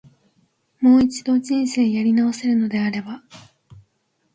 もう一度、人生やり直せるのであれば、